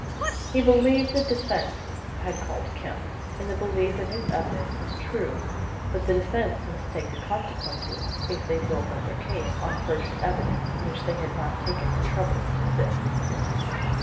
He believed the defence had called Kemp in the belief that his evidence was true, but the defence must take the consequences if they built up their case on perjured evidence which they had not taken the trouble to sift.